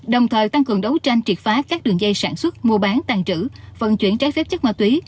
đồng thời tăng cường đấu tranh triệt phá các đường dây sản xuất mua bán tàn trữ vận chuyển trái phép chất ma túy